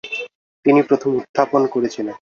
তিনি প্রথম উত্থাপন করেছিলেন।